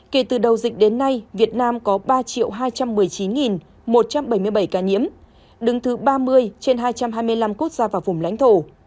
kể từ đầu dịch đến nay việt nam có ba hai trăm một mươi chín một trăm bảy mươi bảy ca nhiễm đứng thứ ba mươi trên hai trăm hai mươi năm quốc gia và vùng lãnh thổ